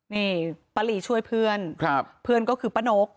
นี่ป้าลีช่วยเพื่อนเพื่อนก็คือป้านก